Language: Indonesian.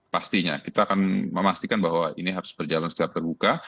pastinya kita akan memastikan bahwa ini harus berjalan secara terbuka